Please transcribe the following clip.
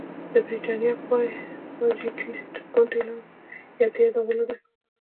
د برټانیې پازیټویسټ ګوند اعلامیه د یادولو ده.